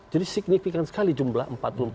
jadi signifikan sekali jumlah